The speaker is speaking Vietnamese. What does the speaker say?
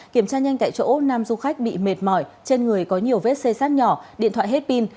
kiểm tra nhanh tại chỗ nam du khách bị mệt mỏi trên người có nhiều vết xe sát nhỏ điện thoại hết pin